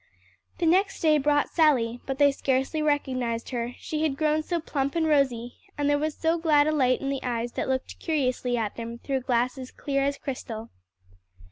The next day brought Sally, but they scarcely recognized her, she had grown so plump and rosy, and there was so glad a light in the eyes that looked curiously at them through glasses clear as crystal.